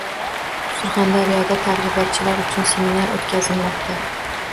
Surxondaryoda targ‘ibotchilar uchun seminar o‘tkazilmoqda